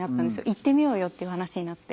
行ってみようよっていう話になって。